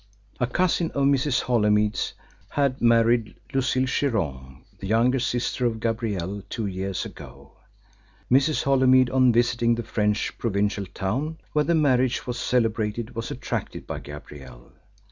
A cousin of Mrs. Holymead's had married Lucille Chiron, the younger sister of Gabrielle, two years ago. Mrs. Holymead on visiting the French provincial town where the marriage was celebrated, was attracted by Gabrielle.